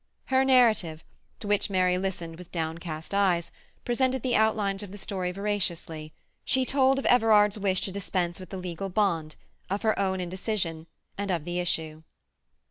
Her narrative, to which Mary listened with downcast eyes, presented the outlines of the story veraciously; she told of Everard's wish to dispense with the legal bond, of her own indecision, and of the issue.